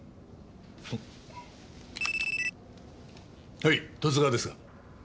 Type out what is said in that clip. はい十津川ですが。